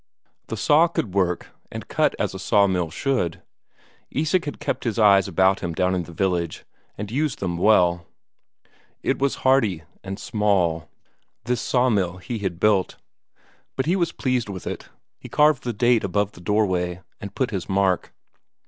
The saw could work, and cut as a sawmill should; Isak had kept his eyes about him down in the village, and used them well. It was hearty and small, this sawmill he had built, but he was pleased with it; he carved the date above the doorway, and put his mark.